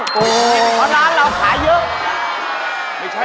เพราะร้านเราขายเยอะ